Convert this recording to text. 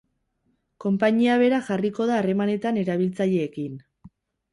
Konpainia bera jarriko da harremanetan erabiltzaileekin.